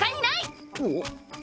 おっ。